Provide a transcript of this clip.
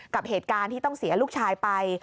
กับเหตุการณ์ที่ต้องเสียลูกชายไป